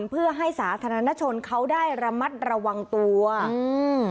เพื่อให้สาธารณชนเขาได้ระมัดระวังตัวอืม